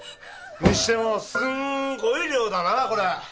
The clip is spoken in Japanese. にしてもすんごい量だなこれ。